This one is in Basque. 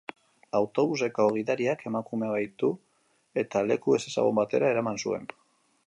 Autobuseko gidariak emakumea bahitu eta leku ezezagun batera eraman zuen.